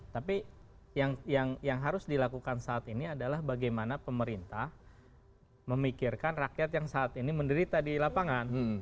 tapi yang harus dilakukan saat ini adalah bagaimana pemerintah memikirkan rakyat yang saat ini menderita di lapangan